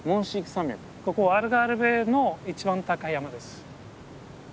ここアルガルヴェの一番高い山です。